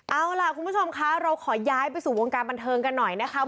เอาล่ะคุณผู้ชมคะเราขอย้ายไปสู่วงการบันเทิงกันหน่อยนะคะ